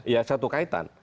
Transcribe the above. ya satu kaitan